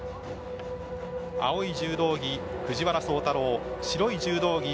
青い柔道着・藤原崇太郎白い柔道着